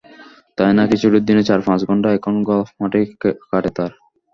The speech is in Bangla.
তাই নাকি ছুটির দিনের চার-পাঁচ ঘণ্টা এখন গলফ মাঠেই কাটে তাঁর।